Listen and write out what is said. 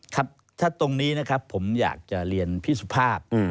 ครับถ้าตรงนี้นะครับผมอยากจะเรียนพี่สุภาพ